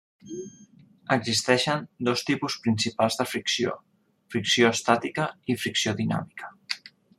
Existeixen dos tipus principals de fricció: fricció estàtica i fricció dinàmica.